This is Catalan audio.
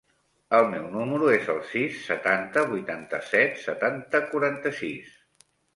El meu número es el sis, setanta, vuitanta-set, setanta, quaranta-sis.